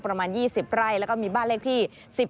ประมาณ๒๐ไร่แล้วก็มีบ้านเลขที่๑๔